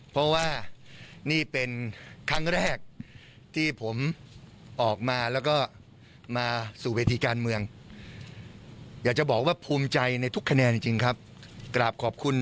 มันนี่นะสุดยอดจริงมีอะไรให้เอ้ช่วยนะครับ